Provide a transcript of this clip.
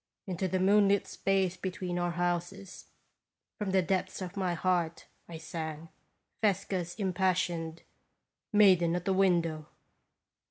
Into the moon lit space between our houses, from the depths of my heart, I sang Fesca's impassioned " Maiden at the Window."